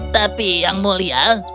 tapi yang mulia